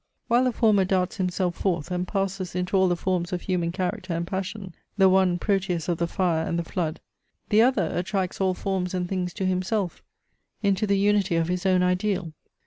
While the former darts himself forth, and passes into all the forms of human character and passion, the one Proteus of the fire and the flood; the other attracts all forms and things to himself, into the unity of his own ideal.